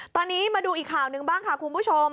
ตอนนี้มาดูอีกข่าวหนึ่งบ้างค่ะคุณผู้ชม